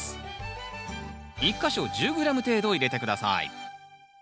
１か所１０ｇ程度入れて下さい。